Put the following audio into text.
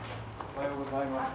おはようございます。